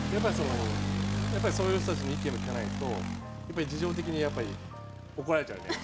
やっぱりそういう人たちの意見も聞かないと事情的にやっぱり怒られちゃうじゃないですか。